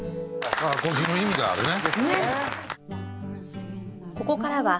アコギの意味があるね。